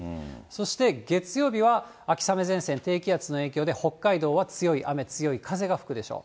そして月曜日は、秋雨前線、低気圧の影響で北海道は強い雨、強い風が吹くでしょう。